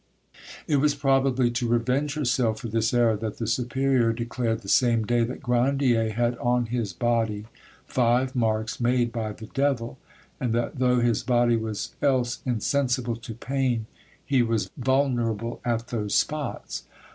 It was probably to revenge herself for this error that the superior declared the same day that Grandier had on his body five marks made by the devil, and that though his body was else insensible to pain, he was vulnerable at those spots.